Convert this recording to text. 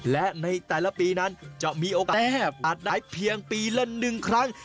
และในแต่ละปีนั้นจะมีโอกาสแอบอาจได้เพียงปีละ๑ครั้ง